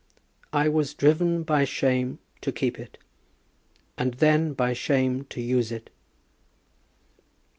"I was driven by shame to keep it, and then by shame to use it."